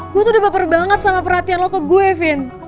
gue tuh udah baper banget sama perhatian loko gue vin